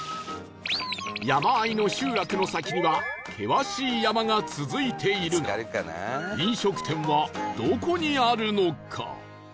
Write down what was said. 山あいの集落の先には険しい山が続いているが飲食店はどこにあるのか？